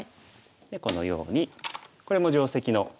でこのようにこれも定石の形。